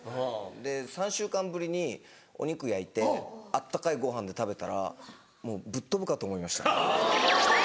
で３週間ぶりにお肉焼いて温かいご飯で食べたらもうぶっ飛ぶかと思いました。